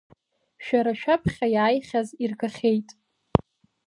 Шәара шәаԥхьа иааихьаз иргахьеит!